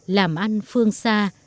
làm ăn phương xa